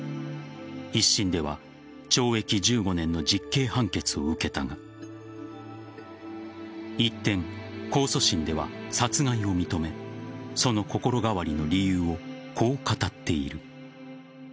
一審では懲役１５年の実刑判決を受けたが一転、控訴審では殺害を認めその心変わりの理由をこう語っている。